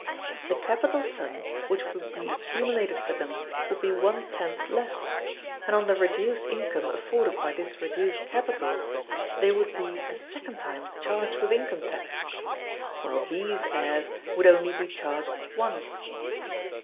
The capital sum which would be accumulated for them would be one tenth less, and on the reduced income afforded by this reduced capital they would be a second time charged with income tax; while B's heirs would only be charged once.